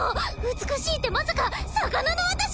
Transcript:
美しいってまさか魚の私！？